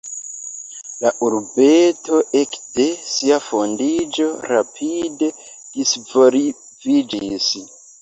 La urbeto ekde sia fondiĝo rapide disvolviĝis.